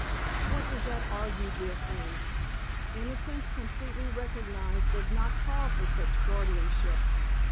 What does that argue, dear friend? Innocence, completely recognised, does not call for such guardianship."